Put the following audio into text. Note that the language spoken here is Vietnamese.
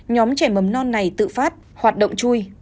nhóm trẻ mầm non này tự phát hoạt động chui